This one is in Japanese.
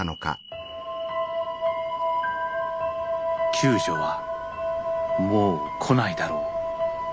救助はもう来ないだろう。